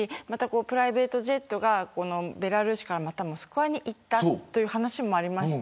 プライベートジェットがベラルーシからモスクワに行ったという話もありまして